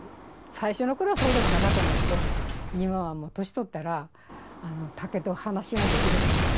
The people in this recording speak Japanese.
最初の頃はそうでもなかったんだけど今はもう年取ったら竹と話ができる感じ。